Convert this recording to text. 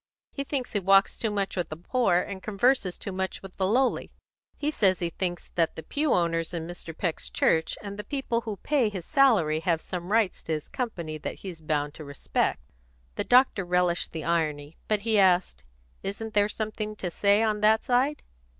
He thinks he walks too much with the poor, and converses too much with the lowly. He says he thinks that the pew owners in Mr. Peck's church and the people who pay his salary have some rights to his company that he's bound to respect." The doctor relished the irony, but he asked, "Isn't there something to say on that side?"